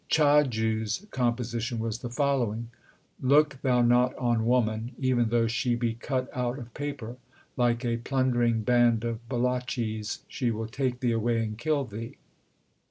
Chhajju s composition was the following : Look thou not on woman, even though she be cut out of paper ; Like a plundering band of Baloches she will take thee away and kill thee.